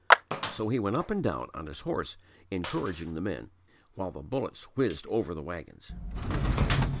So he went up and down on his horse encouraging the men; while the bullets whizzed over the wagons.